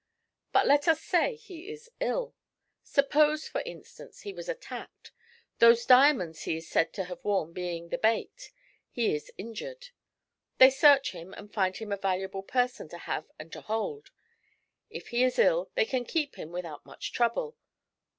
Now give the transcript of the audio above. But let us say he is ill. Suppose, for instance, he was attacked, those diamonds he is said to have worn being the bait; he is injured; they search him and find him a valuable person to have and to hold. If he is ill they can keep him without much trouble.